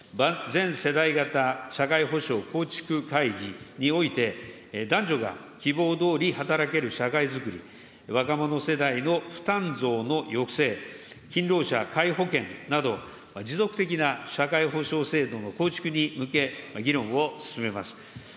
全世代型社会保障構築会議において、男女が希望どおり働ける社会づくり、若者世代の負担増の抑制、勤労者皆保険など、持続的な社会保障制度の構築に向け、議論を進めます。